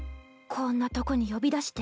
こんなとこに呼び出して